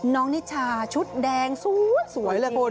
นิชาชุดแดงสวยเลยคุณ